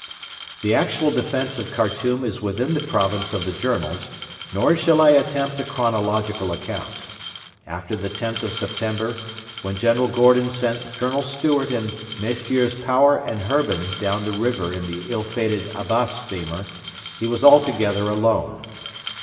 The actual defence of Khartoum is within the province of the Journals, nor shall I attempt a chronological account. After the 10th of September, when General Gordon sent Colonel Stewart and Messrs. Power and Herbin down the river in the ill fated Abbas steamer, he was altogether alone.